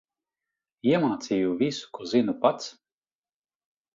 Iemācīju visu, ko zinu pats.